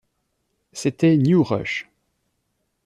C’était New-Rush.